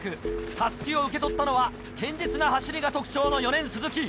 襷を受け取ったのは堅実な走りが特徴の４年鈴木。